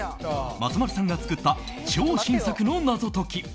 松丸さんが作った超新作の謎解き。